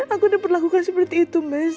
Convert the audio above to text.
aku udah berlakukan seperti itu mas